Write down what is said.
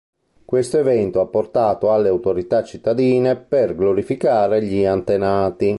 Questo evento ha portato alle autorità cittadine per glorificare gli antenati.